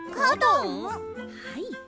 はい。